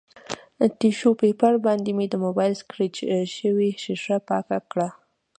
ټیشو پیپر باندې مې د مبایل سکریچ شوې ښیښه پاکه کړه